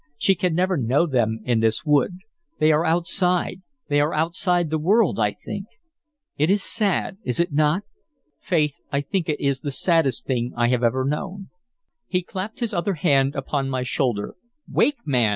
"She can never know them in this wood. They are outside; they are outside the world, I think. It is sad, is it not? Faith, I think it is the saddest thing I have ever known." He clapped his other hand upon my shoulder. "Wake, man!"